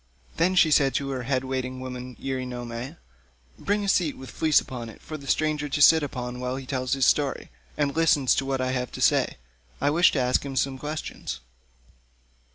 Then she said to her head waiting woman Eurynome, "Bring a seat with a fleece upon it, for the stranger to sit upon while he tells his story, and listens to what I have to say. I wish to ask him some questions."